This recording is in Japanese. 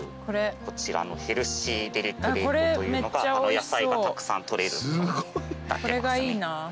こちらのヘルシーデリプレートというのが野菜がたくさん取れるなってますね。